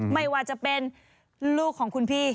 ไม่ว่าจะเป็นลูกของคุณพี่